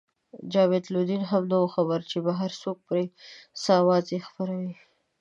جاوید لودین هم نه وو خبر چې بهر څوک پرې څه اوازې خپروي.